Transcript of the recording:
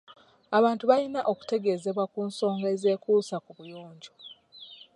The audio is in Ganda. Abantu balina okutegezebwa ku nsonga ezeekuusa ku buyonjo.